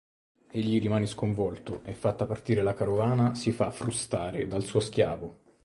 Egli rimane sconvolto e fatta partire la carovana si fa frustare dal suo schiavo.